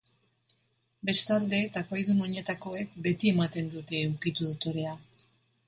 Bestalde, takoidun oinetakoek beti ematen dute ukitu dotorea.